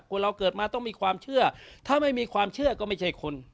เราเกิดมาต้องมีความเชื่อถ้าไม่มีความเชื่อก็ไม่ใช่คน